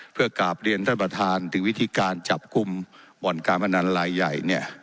เพื่อกราบเรียนท่านประธานถึงวิธีการจับกลุ่มบ่อนการพนันลายใหญ่เนี่ย